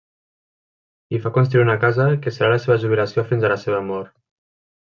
Hi fa construir una casa que serà la seva jubilació fins a la seva mort.